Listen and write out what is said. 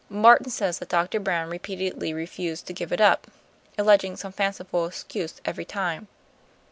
Martin says that Doctor Brown repeatedly refused to give it up, alleging some fanciful excuse every time.